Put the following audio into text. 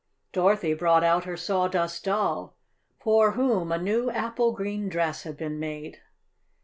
Dorothy brought out her Sawdust Doll, for whom a new apple green dress had been made.